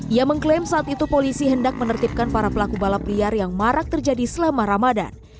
ia mengklaim saat itu polisi hendak menertibkan para pelaku balap liar yang marak terjadi selama ramadan